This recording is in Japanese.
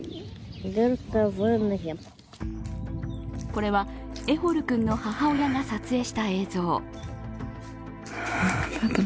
これはエホル君の母親が撮影した映像。